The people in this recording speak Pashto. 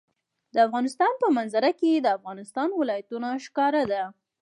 د افغانستان په منظره کې د افغانستان ولايتونه ښکاره ده.